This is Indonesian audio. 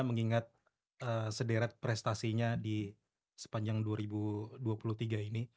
mengingat sederet prestasinya di sepanjang dua ribu dua puluh tiga ini